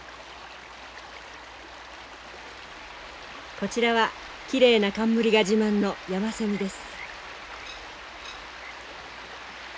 こちらはきれいな冠が自慢のヤマセミです。